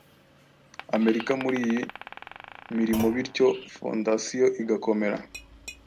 Amerika muri iyi mirimobityo Fondasiyo igakomera